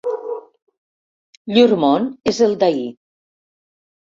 Llur món és el d'ahir.